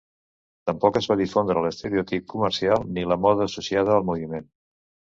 Tampoc es va difondre l'estereotip comercial ni la moda associada al moviment.